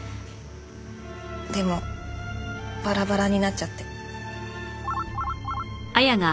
でもバラバラになっちゃって。